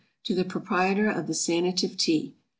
To the Proprietor of the SANATIVE TEA.